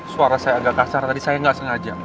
suara saya agak kasar tadi saya nggak sengaja